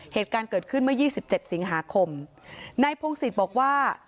เหตุการณ์เกิดขึ้นเมื่อยี่สิบเจ็ดสิงหาคมนายพงศิษย์บอกว่า